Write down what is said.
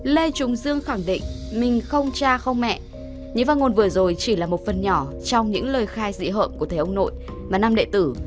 lê trung dương khẳng định mình không cha không mẹ những phát ngôn vừa rồi chỉ là một phần nhỏ trong những lời khai dị hợm của thế ông nội và năm đệ tử